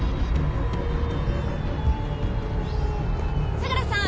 相良さん！